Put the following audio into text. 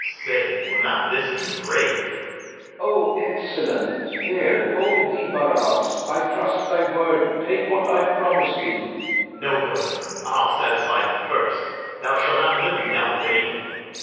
Say, will not this be brave? FERNEZE. O, excellent! here, hold thee, Barabas; I trust thy word; take what I promis'd thee. BARABAS. No, governor; I'll satisfy thee first; Thou shalt not live in doubt of any thing.